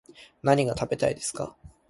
何が食べたいですか